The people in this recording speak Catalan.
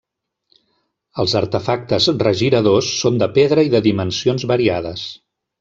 Els artefactes regiradors són de pedra i de dimensions variades.